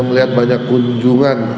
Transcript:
melihat banyak kunjungan